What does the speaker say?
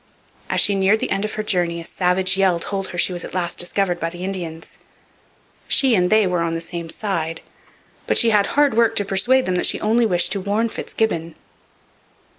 As she neared the end of her journey a savage yell told her she was at last discovered by the Indians. She and they were on the same side; but she had hard work to persuade them that she only wished to warn FitzGibbon.